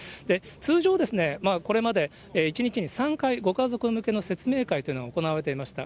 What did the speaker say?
通常ですね、これまで１日に３回、ご家族向けの説明会というのが行われていました。